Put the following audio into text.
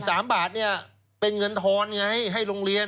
สามบาทเนี่ยเป็นเงินทอนไงให้โรงเรียน